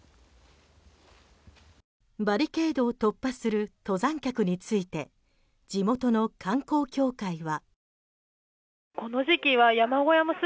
バリケードを突破する登山客について地元の観光協会は。